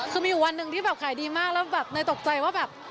คือมีอยู่วันหนึ่งที่แบบขายดีมากแล้วแบบเนยตกใจว่าแบบ